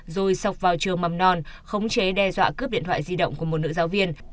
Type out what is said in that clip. rồi sọc vào trường mầm non khống chế đe dọa cướp điện thoại di động của một nữ giáo viên